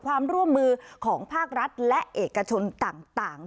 ความร่วมมือของภาครัฐและเอกชนต่าง